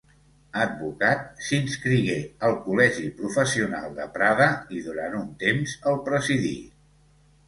Advocat, s'inscrigué al col·legi professional de Prada i durant un temps el presidí.